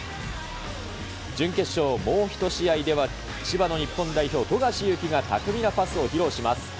準決勝、もう１試合では、千葉の日本代表、富樫勇樹が巧みなパスを披露します。